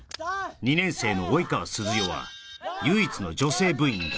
２年生の及川涼世は唯一の女性部員だ